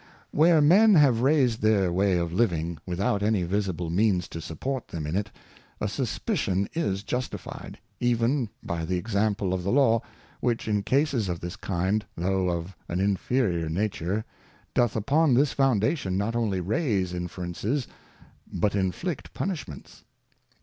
Where Men have raised their way of Living, without any visible means to support them in it, a suspicion is justified, even by the Example of the Law, which in cases of this kind, though of an inferior nature, doth upon this foundation not only raise Inferences, but inflict Punishments.